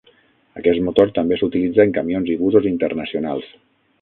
Aquest motor també s'utilitza en camions i busos internacionals.